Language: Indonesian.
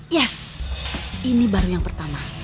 yes ini baru yang pertama